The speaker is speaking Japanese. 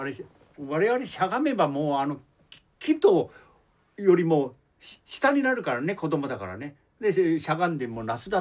我々しゃがめばもう木よりも下になるからね子どもだからね。